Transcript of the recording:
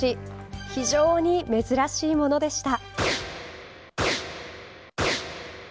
非常に珍しいものでした。